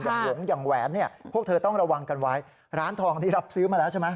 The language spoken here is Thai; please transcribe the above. หลงอย่างแหวนเนี่ยพวกเธอต้องระวังกันไว้ร้านทองที่รับซื้อมาแล้วใช่ไหม